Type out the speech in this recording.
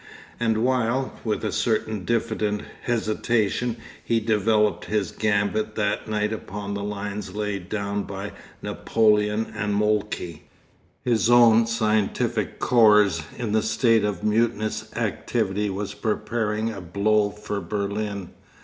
And while, with a certain diffident hesitation, he developed his gambit that night upon the lines laid down by Napoleon and Moltke, his own scientific corps in a state of mutinous activity was preparing a blow for Berlin.